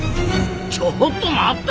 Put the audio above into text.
ちょっと待った！